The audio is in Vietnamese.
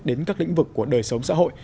đến các lĩnh vực của đời sống xã hội